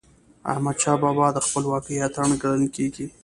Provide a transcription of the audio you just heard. احمدشاه بابا د خپلواکی اتل ګڼل کېږي.